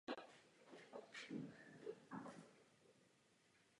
Bude-li existovat nebezpečí, měla by mu být věnována větší pozornost.